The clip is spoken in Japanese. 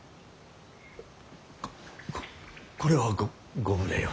ここれはごご無礼を。